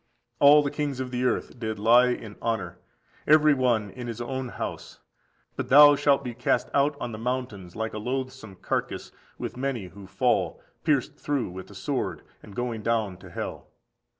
All the kings of the earth did lie in honour, every one in his own house; but thou shalt be cast out on the mountains like a loathsome carcase, with many who fall, pierced through with the sword, and going down to hell.